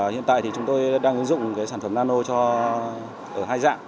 hiện tại chúng tôi đang ứng dụng sản phẩm nano ở hai dạng